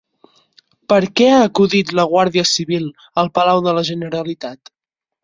Per què ha acudit la Guàrdia Civil al Palau de la Generalitat?